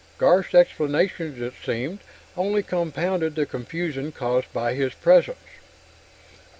Garf's explanations, it seemed, only compounded the confusion caused by his presence.